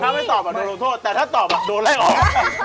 ถ้าไม่ตอบโดนลงโทษแต่ถ้าตอบโดนไล่ออก